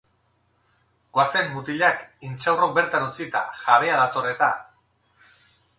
Goazen, mutilak, intxaurrok bertan utzita, jabea dator eta.